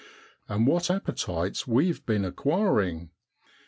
And what appetites we've been acquiring!